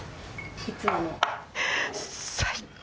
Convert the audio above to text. いつもの。最高！